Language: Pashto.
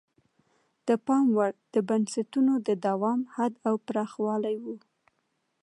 د پام وړ د بنسټونو د دوام حد او پراخوالی وو.